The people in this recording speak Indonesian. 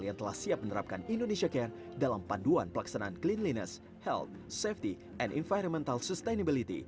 yang telah siap menerapkan indonesia care dalam panduan pelaksanaan cleanliness health safety and environmental sustainability